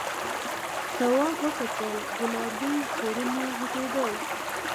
تواب وکتل گلابي کورونه غټېدل.